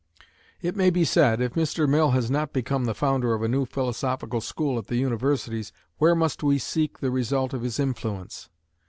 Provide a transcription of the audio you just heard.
It may be said, if Mr. Mill has not become the founder of a new philosophical school at the universities where must we seek the result of his influence?